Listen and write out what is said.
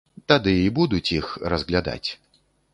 Тады і будуць іх разглядаць.